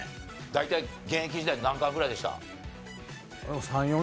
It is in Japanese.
大体現役時代何貫ぐらいでした？